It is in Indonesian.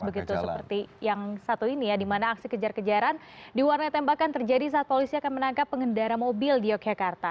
begitu seperti yang satu ini ya di mana aksi kejar kejaran diwarnai tembakan terjadi saat polisi akan menangkap pengendara mobil di yogyakarta